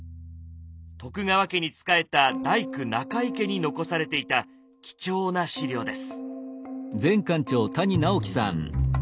徳川家に仕えた大工中井家に残されていた貴重な史料です。